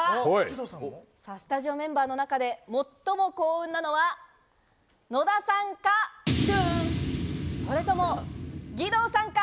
スタジオメンバーの中で最も幸運なのは野田さんか、それとも、義堂さんか？